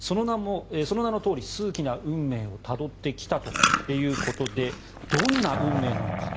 その名のとおり数奇な運命をたどってきたということでどんな運命なのかと。